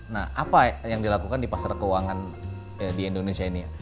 nah apa yang dilakukan di pasar keuangan di indonesia ini